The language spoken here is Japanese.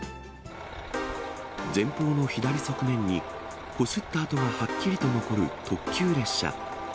前方の左側面に、こすった跡がはっきりと残る特急列車。